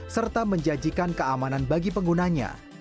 serta menjanjikan keamanan bagi penggunanya